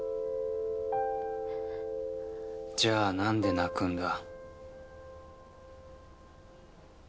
じゃあなんで泣くんだ？